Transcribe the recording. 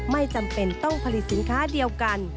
ไม่จำเป็นต้องผลิตสินค้าเดียวกัน